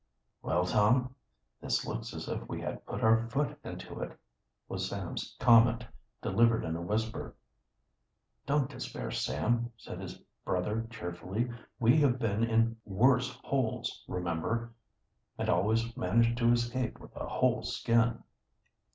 "Well, Tom, this looks as if we had put our foot into it," was Sam's comment, delivered in a whisper. "Don't despair, Sam," said his brother cheerfully. "We have been in worse holes, remember, and always managed to escape with a whole skin."